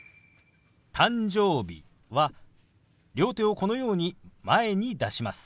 「誕生日」は両手をこのように前に出します。